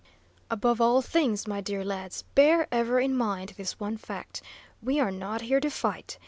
"Above all things, my dear lads, bear ever in mind this one fact, we are not here to fight.